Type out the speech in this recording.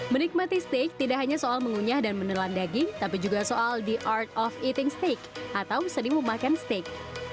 menikmati steak tidak hanya soal mengunyah dan menelan daging tapi juga soal the art of eating steak atau sedih memakan steak